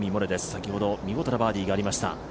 先ほど見事なバーディーがありました。